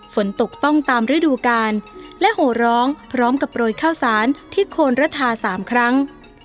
ฝนตกต้องตามฤดูกาลและโหร้องพร้อมกับโปรยข้าวสารที่โคนระทา๓ครั้ง